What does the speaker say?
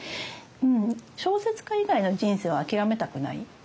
うん小説家以外の人生を諦めたくない。